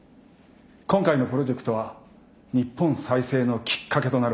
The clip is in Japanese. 今回のプロジェクトは日本再生のきっかけとなるはず。